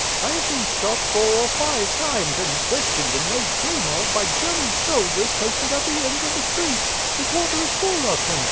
"I have been stopped four or five times, and questioned and made game of, by German soldiers posted at the ends of the streets; the quarter is full of them.